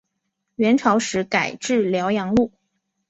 元朝时改置辽阳路。